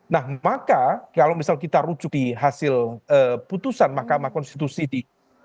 nah maka kalau misalnya kita rujuk di hasil putusan mahkamah konstitusi di dua ribu sembilan belas